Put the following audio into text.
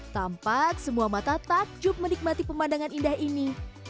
tampak semua mata takjub menikmati pemandangan indah ini